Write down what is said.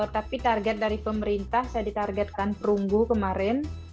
tapi target dari pemerintah saya ditargetkan perunggu kemarin